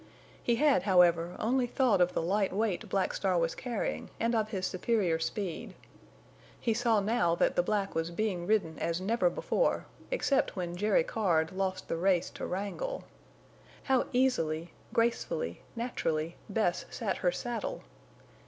He had, however, only thought of the light weight Black Star was carrying and of his superior speed; he saw now that the black was being ridden as never before, except when Jerry Card lost the race to Wrangle. How easily, gracefully, naturally, Bess sat her saddle!